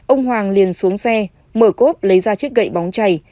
ông hoàng liền xuống xe mở cốp lấy ra chiếc gậy bóng chảy